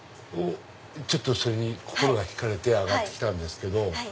それに心が引かれて上がってきたんですけど。